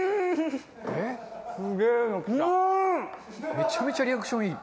めちゃめちゃリアクションいい！